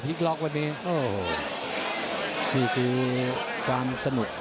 ล็อกวันนี้โอ้โหนี่คือความสนุก